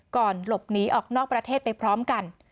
ก่อนหลบหนีออกนอกประเทศไปพร้อมกัน